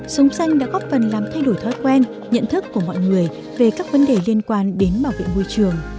sống xanh đã góp phần làm thay đổi thói quen nhận thức của mọi người về các vấn đề liên quan đến bảo vệ môi trường